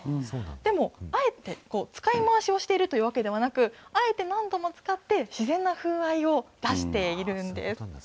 でも、あえて使い回しをしているというわけではなくて、あえて何度も使って、自然な風合いを出しているんです。